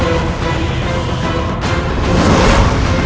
aku tidak bisa berhenti